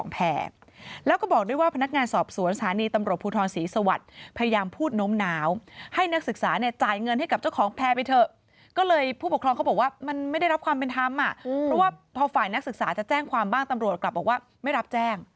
แต่ผู้ปกครองเขาบอกว่ามันไม่ได้รับความเป็นธรรมเพราะว่าพอฝ่ายนักศึกษาจะแจ้งความบ้างตำรวจกลับบอกว่าไม่รับแจ้ง